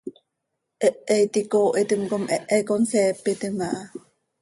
Hehe iti icoohitim com hehe cohseepitim aha.